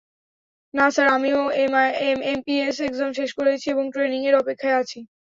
না স্যার, আমিও IPS exam শেষ করেছি এবং ট্রেনিং এর অপেক্ষায় আছি।